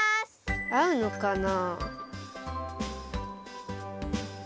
あうのかな？